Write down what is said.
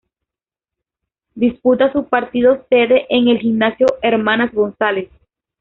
Disputa sus partidos sede en el Gimnasio Hermanas González.